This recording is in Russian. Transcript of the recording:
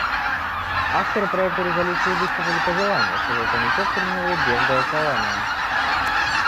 Авторы проекта резолюции высказали пожелание, чтобы Комитет принял его без голосования.